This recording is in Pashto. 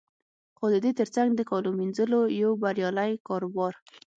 خو د دې تر څنګ د کالو مینځلو یو بریالی کاروبار